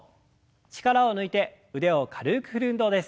力を抜いて腕を軽く振る運動です。